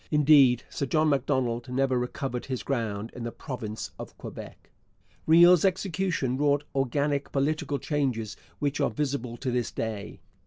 Indeed, Sir John Macdonald never recovered his ground in the province of Quebec. Riel's execution wrought organic political changes which are visible to this day.